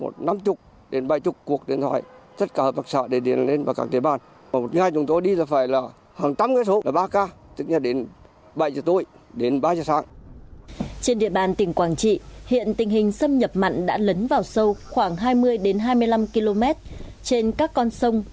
trên địa bàn tỉnh quảng trị hiện tình hình xâm nhập mặn đã lấn vào sâu khoảng hai mươi hai mươi năm km trên các con sông